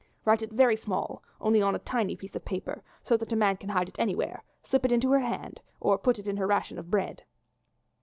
Write it very small, only on a tiny piece of paper, so that a man can hide it anywhere, slip it into her hand, or put it in her ration of bread."